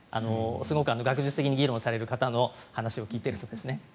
すごく学術的に議論される方の話を聞いていると。